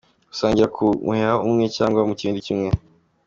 Gusangirira ku muheha umwe cyangwa mu kibindi kimwe.